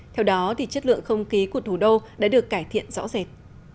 theo đó chất lượng không khí của thủ đô đã được cải thiện rõ rệt